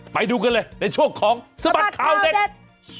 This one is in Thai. ไปดูกันเลยในช่วงของสบัดข่าวเด็ด